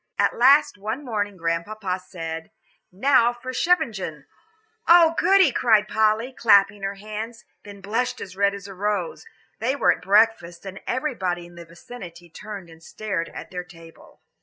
At last one morning Grandpapa said, "Now for Scheveningen to day!" "Oh, goody!" cried Polly, clapping her hands; then blushed as red as a rose. They were at breakfast, and everybody in the vicinity turned and stared at their table.